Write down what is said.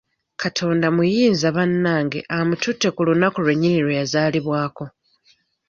Katonda muyinza bannange amututte ku lunaku lwe nnyini lwe yazaalibwako.